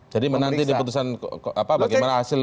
jadi menanti keputusan apa bagaimana hasil